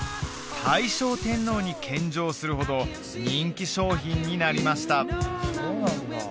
大正天皇に献上するほど人気商品になりました